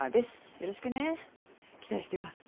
よろしくね期待してます。